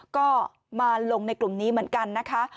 ก็มาลงในกลุ่มนี้เหมือนกันนะคะ